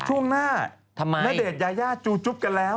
ช่วงหน้าณเดชน์ยายาจูจุ๊บกันแล้ว